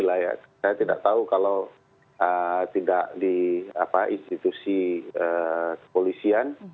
saya tidak tahu kalau tidak di institusi kepolisian